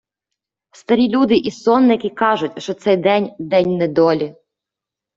Старі люди і сонники кажуть, що цей день — день недолі.